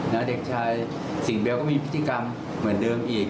แล้วเด็กชายสิ่งแบบก็มีพิธีกรรมเหมือนเดิมอีก